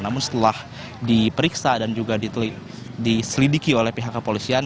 namun setelah diperiksa dan juga diselidiki oleh pihak kepolisian